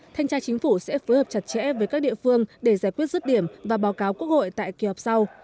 thanh tra chính phủ sẽ phối hợp chặt chẽ với các địa phương để giải quyết rứt điểm và báo cáo quốc hội tại kỳ họp sau